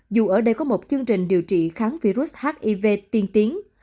dù ở đây có một chương trình điều trị kháng virus hiv tiên tiến